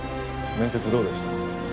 面接どうでした？